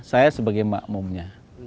saya sebagai ma'umnya